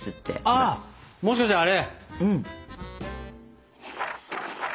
ああもしかしてあれ？